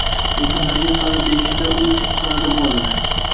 Yetimlarga soya bo'lganlar u Kun soyada bo'ladilar.